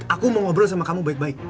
aku mau ngobrol sama kamu baik baik